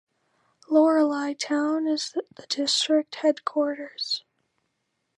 Loralai town is the district headquarters.